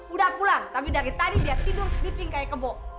udah pulang tapi dari tadi dia tidur slipping kayak kebo